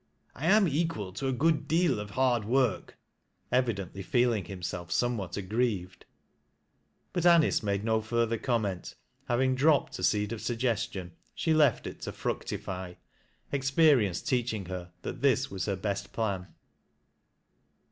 I am equal to a good deal of hard work," — evi dently feeling himself somewhat aggrieved. But Anice made no further comment ; having dropped a seed of suggestion, she left it to fructify, experience teaching her that this was her best plan.